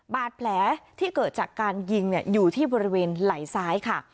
บาดแผลที่เกิดจากการยิงอยู่ที่บริเวณไหล่ซ้ายค่ะ